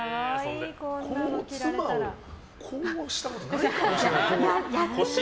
妻をこうしたことないかもしれない。